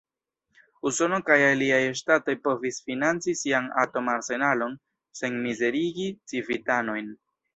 Usono kaj aliaj ŝtatoj povis financi sian atom-arsenalon sen mizerigi civitanojn.